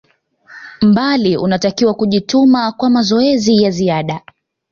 bali unatakiwa kujituma hata kwa mazoezi ya ziada